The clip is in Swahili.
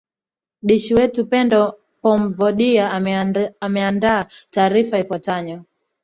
dishi wetu pendo pomdovia ameandaa taarifa ifuatanyo